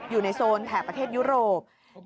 อยู่ในโซนแถบประเทศยุโรป